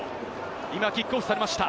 今キックオフされました。